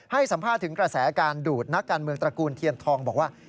ให้สัมภาษณ์ถึงกระแสการดูดนักการเมืองตระกูลเทียนทองบอกว่า